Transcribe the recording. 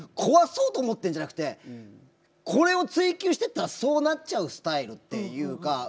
壊そうと思ってるんじゃなくてこれを追求してったらそうなっちゃうスタイルっていうか。